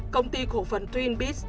công ty cổ phần twin peaks